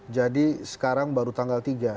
jadi sekarang baru tanggal tiga